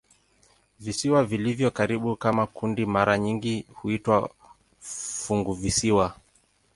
Visiwa vilivyo karibu kama kundi mara nyingi huitwa "funguvisiwa".